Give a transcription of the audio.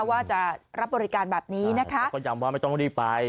ว่าจะรับบริการแบบนี้นะคะแล้วก็ย้ำว่าไม่ต้องรีบไป